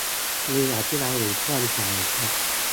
มีอธิบายอยู่ช่วงท้ายครับ